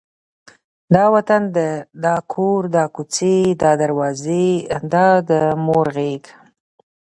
دا وطن، دا کور، دا کوڅې، دا دروازې، دا د مور غېږ،